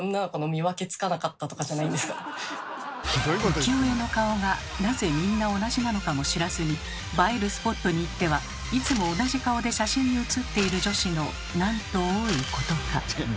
浮世絵の顔がなぜみんな同じなのかも知らずに映えるスポットに行ってはいつも同じ顔で写真に写っている女子のなんと多いことか。